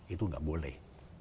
itu gak boleh